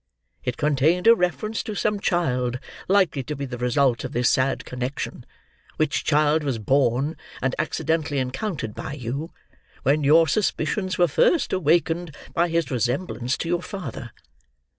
It contained a reference to some child likely to be the result of this sad connection, which child was born, and accidentally encountered by you, when your suspicions were first awakened by his resemblance to your father.